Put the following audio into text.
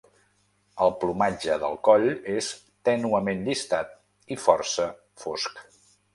El plomatge del coll és tènuement llistat i força fosc.